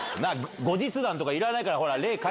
後日談とかいらないから。